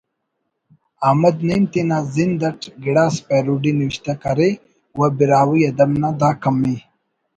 احمد نعیم تینا زند اٹ گڑاس پیروڈی نوشتہ کریر و براہوئی ادب نا دا کمی